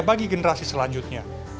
bagi generasi selanjutnya